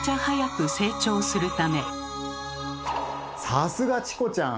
さすがチコちゃん！